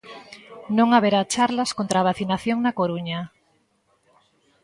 Non haberá charlas contra a vacinación na Coruña.